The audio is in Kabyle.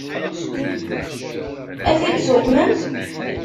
Ad t-id-tuqmem?